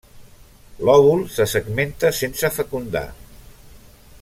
L'òvul se segmenta sense fecundar.